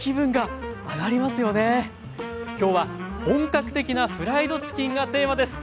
今日は本格的なフライドチキンがテーマです。